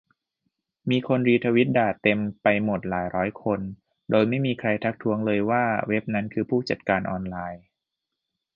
มีคนรีทวิตด่าเต็มไปหมดหลายร้อยคน โดยไม่มีใครทักท้วงเลยว่าเว็บนั้น คือ ผู้จัดการออนไลน์